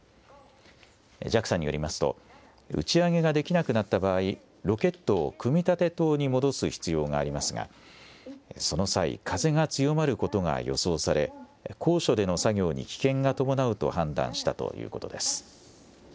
ＪＡＸＡによりますと、打ち上げができなくなった場合、ロケットを組み立て棟に戻す必要がありますが、その際、風が強まることが予想され、高所での作業に危険が伴うと判断したということです。